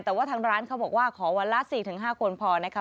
แต่ว่าทางร้านเขาบอกว่าขอวันละ๔๕คนพอนะคะ